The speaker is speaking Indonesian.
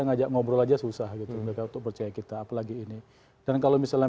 ngajak ngobrol aja susah gitu